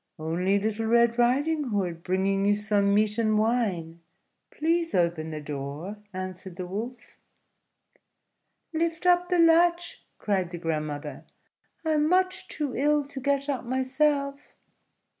"Only little Red Riding Hood, bringing you some meat and wine; please open the door," answered the Wolf. "Lift up the latch," cried the grandmother; "I am much too ill to get up myself."